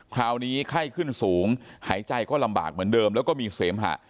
คราวนี้ไข้ขึ้นสูงหายใจก็ลำบากเหมือนเดิมแล้วก็มีเสมหะ